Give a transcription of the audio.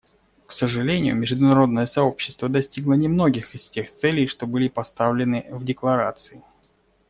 К сожалению, международное сообщество достигло немногих из тех целей, что были поставлены в Декларации.